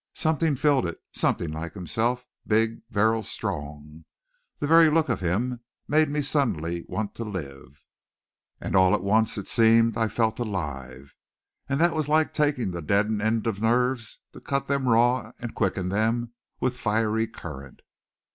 Something filled it, something like himself, big, virile, strong. The very look of him made me suddenly want to live; and all at once it seemed I felt alive. And that was like taking the deadened ends of nerves to cut them raw and quicken them with fiery current.